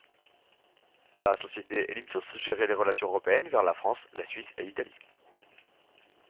La société Elipsos gérait les relations européennes vers la France, la Suisse et l'Italie.